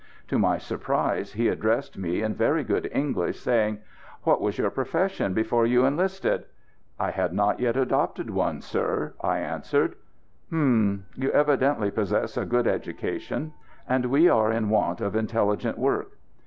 To my surprise he addressed me in very good English, saying: "What was your profession before you enlisted?" "I had not yet adopted one, sir," I answered. "Hum! You evidently possess a good education, and we are in want of intelligent work."